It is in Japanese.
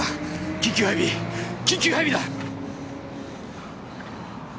緊急配備緊急配備だ！